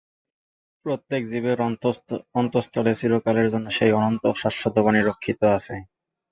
প্র্রত্যেক জীবের অন্তস্তলে চিরকালের জন্য সেই অনন্ত শাশ্বত বাণী রক্ষিত আছে।